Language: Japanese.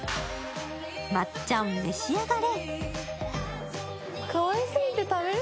まっちゃん、召し上がれ。